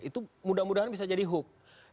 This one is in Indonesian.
itu mudah mudahan bisa jadi hoax